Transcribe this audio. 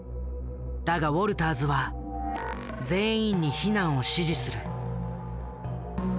だがウォルターズは全員に避難を指示する。